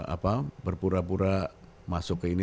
apa berpura pura masuk ke ini